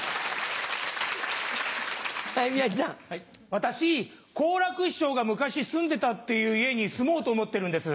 私好楽師匠が昔住んでたっていう家に住もうと思ってるんです。